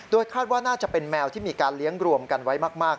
คาดว่าน่าจะเป็นแมวที่มีการเลี้ยงรวมกันไว้มาก